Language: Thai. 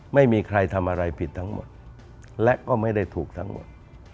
ไม่มีใครทำอะไรผิดทั้งหมดและก็ไม่ได้ถูกทั้งหมด